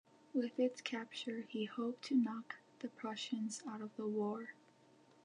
With its capture, he hoped to knock the Prussians out of the war.